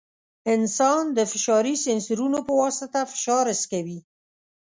انسان د فشاري سینسرونو په واسطه فشار حس کوي.